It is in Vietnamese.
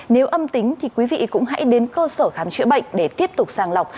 nếu âm tính thì quý vị cũng hãy đến cơ sở khám chữa bệnh để tiếp tục sàng lọc